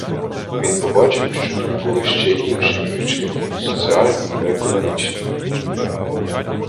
Він побачив, що тут були ще й інші причини — соціальні та економічні.